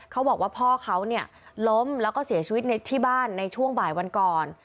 เขาบอกว่าพ่อเขาเนี่ยล้มแล้วก็เสียชีวิตในที่บ้านในช่วงบ่ายวันก่อน